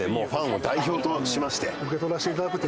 受け取らせていただく。